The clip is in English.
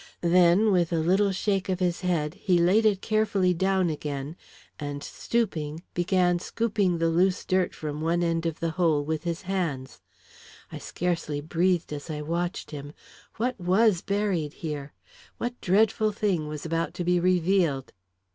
Then with a little shake of his head, he laid it carefully down again, and, stooping, began scooping the loose dirt from one end of the hole with his hands. I scarcely breathed as I watched him. What was buried here? What dreadful thing was about to be revealed?